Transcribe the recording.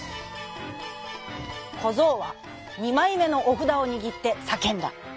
こぞうはにまいめのおふだをにぎってさけんだ。